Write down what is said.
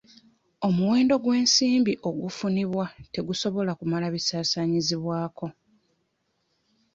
Omuwendo gw'ensimbi ogufunibwa tegusobola kumala bisaasaanyizibwako.